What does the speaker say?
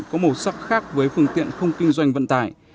có màu sắc khác với phương tiện không kinh doanh vận tải